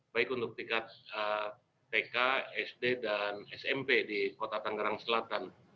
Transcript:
baik untuk tingkat tk sd dan smp di kota tangerang selatan